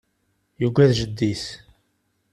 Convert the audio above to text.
Yugad jeddi-s.